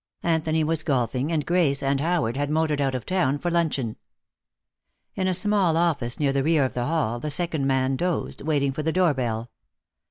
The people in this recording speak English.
Anthony was golfing and Grace and Howard had motored out of town for luncheon. In a small office near the rear of the hall the second man dozed, waiting for the doorbell.